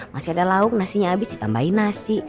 masih ada lauk nasinya habis ditambahin nasi